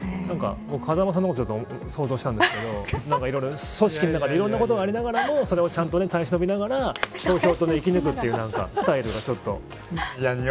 風間さんのことを想像したんですけど組織の中でいろんなことがありながらもそれを耐え忍びながら生き抜くというスタイルがちょっと。